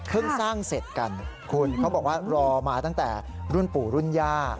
พึ่งสร้างเสร็จต่อกันแล้วก็รอมาตั้งแต่รู้รุ่นปูรุ่นย่า